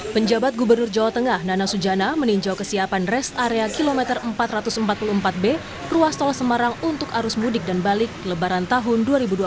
penjabat gubernur jawa tengah nana sujana meninjau kesiapan rest area kilometer empat ratus empat puluh empat b ruas tol semarang untuk arus mudik dan balik lebaran tahun dua ribu dua puluh